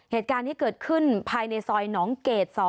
เหตุการณ์นี้เกิดขึ้นภายในซอยหนองเกด๒